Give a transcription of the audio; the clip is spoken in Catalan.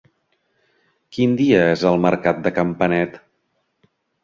Quin dia és el mercat de Campanet?